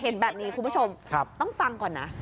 เห็นแบบนี้คุณผู้ชมต้องฟังก่อนนะ